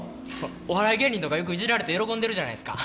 お笑い芸人とかよくイジられて喜んでるじゃないっすか。